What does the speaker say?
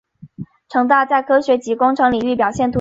城大在科学及工程领域表现突出。